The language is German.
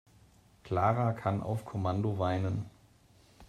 Clara kann auf Kommando weinen.